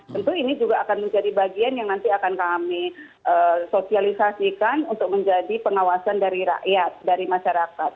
tentu ini juga akan menjadi bagian yang nanti akan kami sosialisasikan untuk menjadi pengawasan dari rakyat dari masyarakat